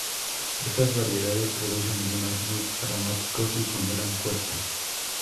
Estas variedades producen vinos muy aromáticos y con gran cuerpo.